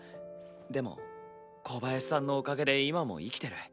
でも小林さんのおかげで今も生きてる。